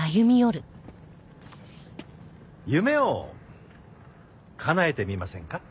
夢をかなえてみませんか？